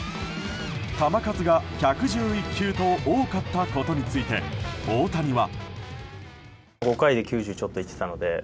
球数が１１１球と多かったことについて大谷は。